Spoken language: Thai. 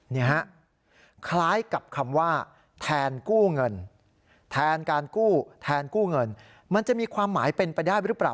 นี่ฮะคล้ายกับคำว่าแทนกู้เงินมันจะมีความหมายเป็นไปได้หรือเปล่า